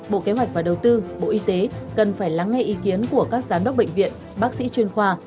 bộ kế hoạch và đầu tư bộ y tế cần phải lắng nghe ý kiến của các giám đốc bệnh viện bác sĩ chuyên khoa